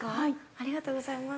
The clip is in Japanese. ありがとうございます。